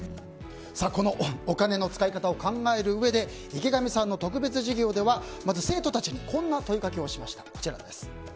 このお金の使い方を考えるうえで池上さんの特別授業ではまず生徒たちにこんな問いかけをしました。